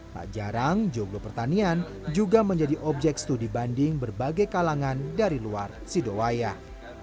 tak jarang joglo pertanian juga menjadi objek studi banding berbagai kalangan dari luar sidowayah